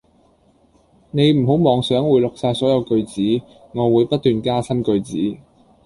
你唔好妄想會錄晒所有句子，我會不斷加新句子